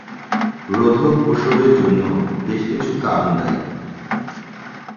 রোধক প্রসবের জন্য বেশ কিছু কারণ দায়ী।